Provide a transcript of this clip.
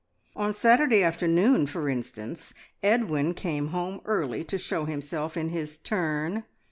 On Saturday afternoon, for instance, Edwin came home early to show himself in his turn.